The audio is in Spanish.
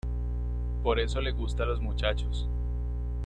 Por eso le gusta a los muchachos.